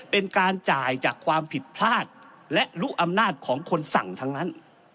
เป็นการจ่ายจากความผิดพลาดและรู้อำนาจของคนสั่งทั้งนั้น